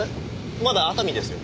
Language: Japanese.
まだ熱海ですよ。